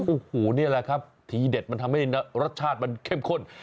โอ้โหนี่แหละครับทีเด็ดมันทำให้รสชาติมันเข้มข้น